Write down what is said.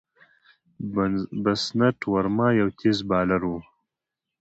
بسنت ورما یو تېز بالر وو.